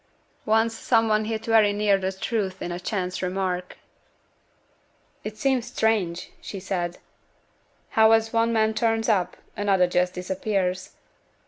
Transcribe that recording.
Once some one hit very near the truth in a chance remark. 'It seems strange,' she said, 'how as one man turns up, another just disappears.